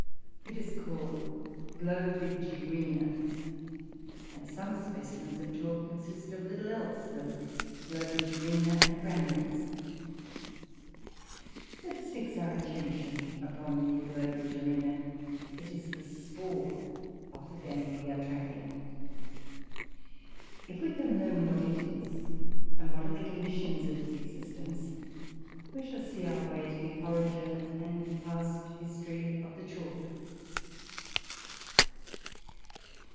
It is called Globigerina, and some specimens of chalk consist of little else than Globigerinoe and granules. Let us fix our attention upon the Globigerina. It is the spoor of the game we are tracking. If we can learn what it is and what are the conditions of its existence, we shall see our way to the origin and past history of the chalk.